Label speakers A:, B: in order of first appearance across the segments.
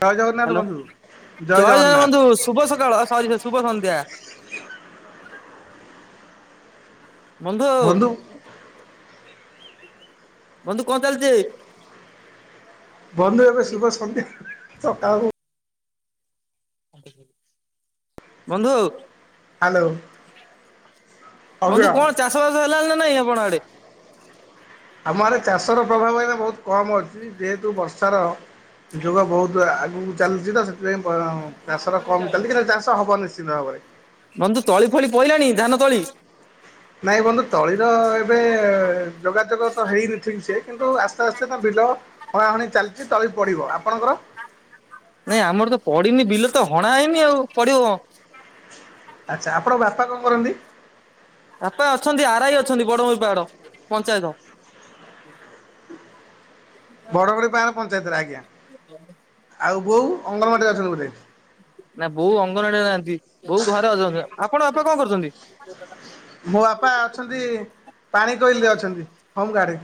A: ଜୟ Jagannath
B: hello
A: ବନ୍ଧୁ
B: ଜୟ ଜଣ ବନ୍ଧୁ ଶୁଭ ସକାଳ ସରି ଶୁଭ ସନ୍ଧ୍ୟା। ବନ୍ଧୁ ବନ୍ଧୁ କଣ ଚାଲିଛି?
A: ବନ୍ଧୁ ଏବେ ଶୁଭ ସନ୍ଧ୍ୟା ସକାଳୁ
B: ବନ୍ଧୁ
A: ହ୍ୟାଲୋ। ଅଗ୍ର
B: ବନ୍ଧୁ କଣ ଚାଷ ବାସ ହେଲାଣି ନା ନାଇଁ ଆପଣ ଆଡେ
A: ଆମ ଆଡେ ଚାଷର ପ୍ରଭାବ ଏଇା ବହୁତ କମ୍ ଅଛି। ଯେହେତୁ ବର୍ଷାର ଯୁଗ ବହୁତ ଆଗକୁ ଚାଲିୁଛି ତ ସେଥିପାଇଁ ଚାଷ ର କମ ଚାଲିଚି କିନ୍ତ ଚାଷ ହବ ନିଶ୍ଚିନ୍ତ ଭାବରେ।
B: ନନ୍ଦୁ ତଳି ଫଳି ପହିଲାଣି ଧାନ ତଳି
A: ନାଇଁ ବନ୍ଧୁ ତଳିର ଏବେ ଯୋଗାଯୋଗ ତ ହେଇନି ଠିକ୍ ସେ କିନ୍ତୁ ଆସ୍ତେ ଆସ୍ତେ ତ ବିଲ ହଣାହଣି ଚାଲିଛି ତଳି ପଡ଼ିବ। ଆପଣଙ୍କର
B: ନାଇଁ ଆମର ତ ପଡିନି ବିଲ ତ ହଣା ହେଇନି ଆଉ ପଡିବ
A: ଆଚ୍ଛା ଆପଣଙ୍କ ବାପା କଣ କରନ୍ତି।
B: ବାପା ଅଛନ୍ତି ଆରାଇ ଅଛନ୍ତି ବଡଭ ପାହାଡ ପଞ୍ଚାୟତ।
A: ବଡ଼ଗଡ଼ି ଗାଁର ପଞ୍ଚାୟତରେ ଆଜ୍ଞା ଆଉ ବୋଉ ଅଙ୍ଗନମାଡ଼ିରେ ଅଛନ୍ତି ବୋଧେ
B: ନା ବୋଉ ଅଙ୍ଗନଡିରେ ନାହାନ୍ତି ବୋଉ ଘରେ ଅସଛନ୍ତି। ଆପଣ ବାପା କଣ କରୁଛନ୍ତି।
A: ମୋ ବାପା ଅଛନ୍ତି ପାଣ କୋଇଲରେ ଅଛନ୍ତି। ହୋମ ଗାର୍ଡ଼ରେ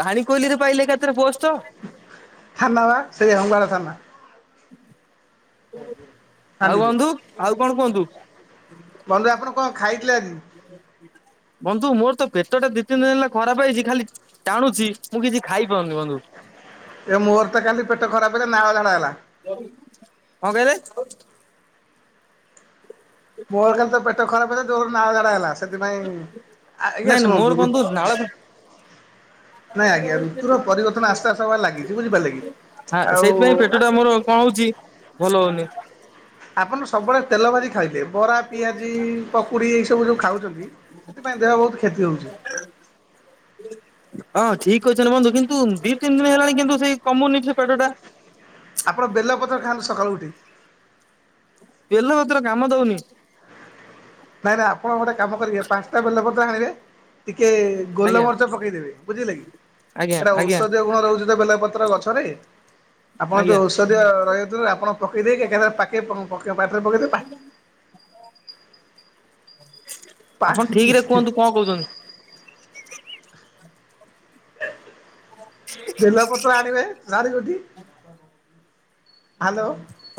B: ପାଣି କୋଇଲି ପାଇଲେ ଏକାଥରେ ପୋଟ୍।
A: ଥନାବା ସେଇ ହୋମ୍ ଗାଢ ଥନା।
B: ଆଉ
A: ଫାଣ୍ଡିରେ
B: ବନ୍ଧୁ ଆଉ କଣ କୁହନ୍ତୁ।
A: ବନ୍ଧୁ ଆପଣ କ ଖାଇଥିଲେ ଆଜି।
B: ହ [inaudible] ବନ୍ଧୁ ମୋର ତ ପେଟ ଟା ଦି ତିନି ଦିନ ହେଲା ଖରାପ ହେଇଛି। ଖାଲି ଟାଣୁଛି ମୁଁ କିଛି ଖାଇପାରୁନି ବନ୍ଧୁ।
A: ଏ ମୋର ତ କାଲି ପେଟ ଖରାପ ହେଲା ନାଳଝାଡା ହେଲା।
B: କଁ କହିଲେ।
A: ମୋର କାଲି ତ ପେଟ ଖରାପ ହେଲା। ଜୋରେ ନାଳ ଝାଡା ହେଲା ସେଥିପାଇଁ। ଆଜ୍ଞା
B: ନାଇଁ ନାଇଁ ମୋର
A: ଶୁଣନ୍ତୁ।
B: ବନ୍ଧୁ ନାଳ
A: ନାଇଁ ଆଜ୍ଞାଋତୁର ପରିବର୍ତନ ଆସ୍ତେ ଆସ୍ତେ ଭଳି ଲାଗିଛି ବୁଝିପାରିଲେ କି।
B: ହାଁ
A: ଆଉ
B: ସେଇଥିପାଇଁ ପେଟ ଟା ମୋର କଣ ହଉଛି ଭଲ ହଉନି।
A: ଆପନ ସବୁବେଳେ ତେଲ ଭାଜି ଖାଇଲେ ବରା, ପିଆଜି, ପକୁଡ଼ି, ଏଇ ସବୁ ଯଉ ଖାଉଛନ୍ତି। ସେଥିପାଇଁ ଦେହ ବହୁତ କ୍ଷତି ହେଉଛି।
B: ହଁ ଠିକ୍ କହିଛନ୍ତି ବନ୍ଧୁ କିନ୍ତୁ ଦି ତିନି ଦିନ ହେଲାଣି କିନ୍ତୁ ସେଇ କମୁନି ସେ ପେଟଟା।
A: ଆପଣ ବେଲପତର ଖାଆନ୍ତୁ ସକାଳୁ ଉଠି କି।
B: ବେଲ ଭତର କାମ ଦଉନି।
A: ନାଇଁ ନାଇଁ ଆପଣ ଗୋଟେ କାମ କରିବେ ପାଞ୍ଚଟା ବେଲେ ପତର ଆଣିବେ। ଟିକେ
B: ଆଜ୍ଞା
A: ଗୋଲମରିଚ ପକେଇଦେବେ ବୁଝିଲେ କି।
B: ଆଜ୍ଞା
A: ଆରେ
B: ଆଜ୍ଞା
A: ଔଷଧୀୟ ଗୁଣ ରହୁଛି ତ ବେଲପତ୍ର ଗଛରେ ଆପଣ
B: ଆଜ୍ଞା।
A: ତାକୁ। ଯଦିଓ ରହିିହଉଥିବ ଆପଣ ପକାଇଦେଇ କି ଏକାଥର ପାଟିରେ ପକେଇଦେଇକି ପାକେ। ପାଣି
B: ଆପଣ ଠିକି ରେ
A: ପିଇଯିବେ
B: କୁହନ୍ତୁ କ କହୁଛନ୍ତି। [inaudible]
A: ବେଲପତ୍ର ଆଣିବେ ଶାଢୀ ଜୋଟି ହ୍ୟାଲୋ।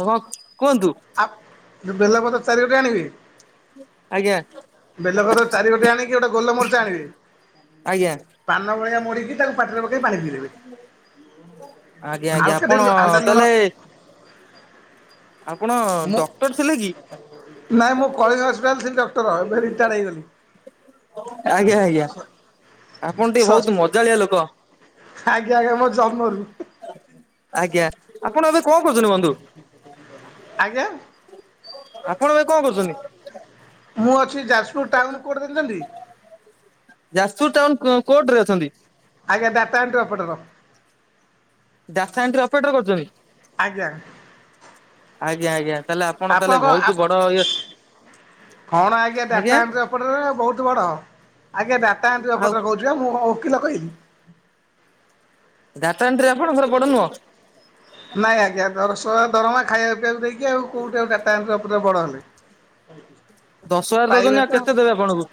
B: ହଁ କୁହନ୍ତୁ।
A: ଆପ୍ ବେଲପ୍ରତର ଚାରି ଗୋଟେ ଆଣିବେ
B: ଆଜ୍ଞା
A: ବେଲପତ୍ର ଚାରିଗୋଟି ଆଣିକି ଗୋଟେ ଗୋଲମରିଚ ଆଣିବେ।
B: ଆଜ୍ଞା।
A: ପାନ ଭଳିଆ ମୋଡିକି ତାକୁ ପାଟିରେ ପକେଇକି ପାଣି ପିଇଦେବେ।
B: ଆଜ୍ଞା
A: ଆଉ
B: ଆଜ୍ଞା
A: କେତେ
B: ଆପଣ
A: ଦିନି ହାଲୁକା ଲୁଣ
B: ତାହେଲେ ଆପଣ
A: ମୁଁ
B: ଡକ୍ଟର ଥିଲେ କି?
A: ନାଇଁ ମୁଁ କଳିଙ୍ଗ ହସ୍ପିଟାଲ ଥିଲି ଡକ୍ଟର ଏବେ ରିତାଡ଼ ହେଇଗଲି।
B: ଆଜ୍ଞା ଆଜ୍ଞା। ଆପଣ ଟିକେ ବୋହୁତୁ
A: ଷଷ୍ଠ
B: ମଜାଳିଆ ଲୋକ।
A: ଆଜ୍ଞା ଆଜ୍ଞା ମୋ ଜନ୍ମରୁ
B: ଆଜ୍ଞା ଆପଣ ଏବେ କଣ କରୁଛନ୍ତି ବନ୍ଧୁ?
A: ଆଜ୍ଞା
B: ଆପଣ ଏବେ କଖ କରୁଛନ୍ତି?
A: ମୁଁ ଅଛି ଯାଜପୁରୁ ଟାଉନୁ କୋର୍ଟ ଦେଖିଛନ୍ତି?
B: ଯାଜପୁରୁ ଟାଉନୁ କୋର୍ଟ ରେ ଅଛନ୍ତି।
A: ଆଜ୍ଞା ଡାଟା ଏଣ୍ଟ୍ରି ଅଫେଟର।
B: ଯାହା ଏଣ୍ଟ୍ରି ଅପେଟର କରୁଛନ୍ତି?
A: ଆଜ୍ଞା
B: ଆଜ୍ଞା ଆଜ୍ଞା। ତାହେଲେ ଆପଣ ତାହେଲେ
A: ଆପଣଙ୍କ ଆପ
B: ବୋହୁତ ବଡ ଇଏ
A: କଣ ଆଜ୍ଞା ଡାଟା ଏଣ୍ଟ୍ରି ଅପେଟ ରେ ବୋହୁତ ବଡ ଆଜ୍ଞା ଡାଟା ଏଣ୍ଟ୍ରି
B: ଆଉ
A: ଅପେଟ ରେ କହୁଛି ଛି ବା ମୁଁ କଣ ଓକିଲ କହିଲି।
B: ଡାଟା ଏଣ୍ଟ୍ରି ଆପଣଙ୍କର ବଡ ନୁହଁ?
A: ନାଇଁ ଆଜ୍ଞା ଦରଶ ହଜାର ଦରମା ଖାଇବା ପିଇବାକୁ ଦେଇକି ଆଉ କୋଉଠି ଆଉ ଡାଟା ଏଣ୍ଟ୍ରି ଅ ପୁରା ବଡ଼ ହେଲି।
B: ଦଶ ହଜାର ଦଉଛନ୍ତି। ଆଉ କେତେ ଦେବେ ଆପଣଙ୍କୁ?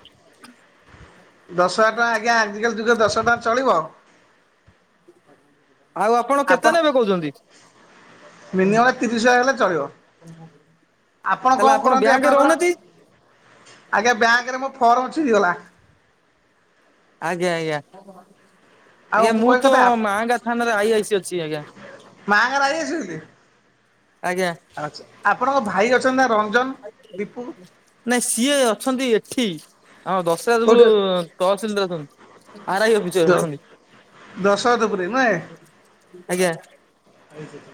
A: ଦଶ ହଜାର ଟଙ୍କା ଆଜ୍ଞା ଆଜିକାଲି ଯୁଗ ରେ ଦଶ ହଜାର ଟଙ୍କା ଚଳିବ?
B: ଆଉ ଆପଣ କେତେ ନେବେ କହୁଛନ୍ତି?
A: ମିନିମମ୍ ତିରିଶ ହଜାର ହେଲେ ଚଳିବ। ଆପଣ
B: ତାହେଲେ
A: କଣ କରନ୍ତି
B: ବ୍ୟାଙ୍କରେ
A: ଆପଣଙ୍କର
B: ରହୁନାହାନ୍ତି
A: ଆଜ୍ଞା ବ୍ୟାଙ୍କ ରେ ମୋ ଫର୍ମ ଚିରିଗଲା।
B: ଆଜ୍ଞା ଆଜ୍ଞା।
A: ଆଉ
B: ଆଜ୍ଞା ମୁଁ
A: କହିବା
B: ତ
A: କଥା
B: ମାହାଙ୍ଗା ଥାନାରେ ଆଇ ଆଇ ସି ଅଛି ଆଜ୍ଞା।
A: ମାଆଙ୍କ ରାଜି ଅଛନ୍ତି?
B: ଆଜ୍ଞା
A: ଆପଣଙ୍କ ଭାଇ ଅଛନ୍ତି ନା ରଞ୍ଜନ ଦୀପୁନୁ
B: ନାଇଁ ସିଏ ଅଛନ୍ତି ଏଠି ଆଉ
A: କୋଉଠି
B: ଦଶହାଲେବୁଲ ତଅସିଲିଦାର ଅଛନ୍ତି। ଆର୍ ଆଇ ଅଫିଛି ରେ ଅଛନ୍ତି।
A: ଦଶଦୁ
B: ଆଜ୍ଞା
A: [unintelligible]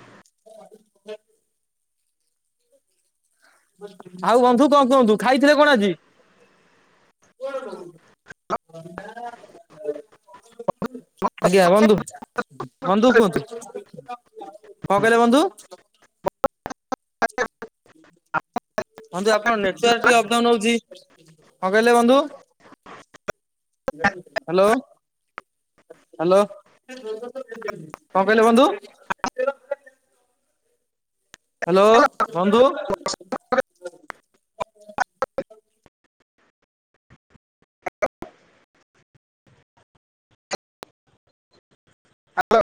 B: ଆଉ ବନ୍ଧୁ କଣ କୁହନ୍ତୁ ଖାଇଥିଲେ କଣ ଆଜି? [unintelligible] ଆଜ୍ଞା ବନ୍ଧୁ ବନ୍ଧୁ କୁହନ୍ତୁ। କଣ କହିଲେ ବନ୍ଧୁ। ବନ୍ଧୁ ଆପଣ ନେଟୱାର୍କ ଟିକେ ଅପ୍ ଡାଉନ୍ ହୋଉଚି। କଣ କହିଲେ ବନ୍ଧୁ? ହ୍ୟାଲୋ କଣ କହିଲେ ବନ୍ଧୁ? ହ୍ୟାଲୋ ବନ୍ଧୁ
A: [unintelligible] ହ୍ୟାଲୋ।